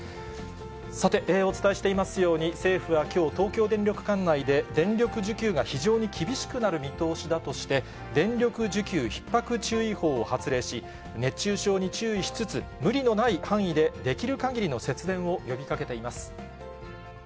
さて、お伝えしていますように、政府はきょう、東京電力管内で、電力需給が非常に厳しくなる見通しだとして、電力需給ひっ迫注意報を発令し、熱中症に注意しつつ、無理のない範囲でできるかぎりの節電を呼びかけています。